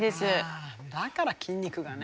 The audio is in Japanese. だから筋肉がね。